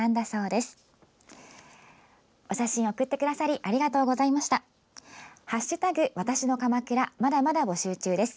まだまだ募集中です。